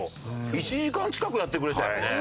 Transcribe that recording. １時間近くやってくれたよね。